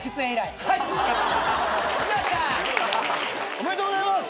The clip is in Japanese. ありがとうございます！